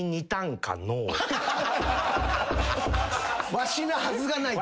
わしなはずがないと。